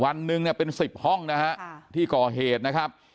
วันหนึ่งเนี่ยเป็น๑๐ห้องนะฮะที่ก่อเหตุนะครับ